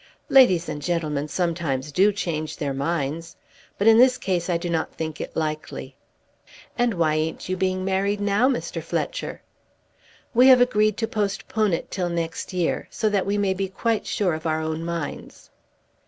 "Ladies and gentlemen sometimes do change their minds; but in this case I do not think it likely." "And why ain't you being married now, Mr. Fletcher?" "We have agreed to postpone it till next year; so that we may be quite sure of our own minds."